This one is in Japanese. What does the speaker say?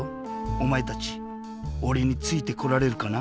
おまえたちおれについてこられるかな？